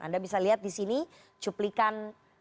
anda bisa lihat disini cuplikan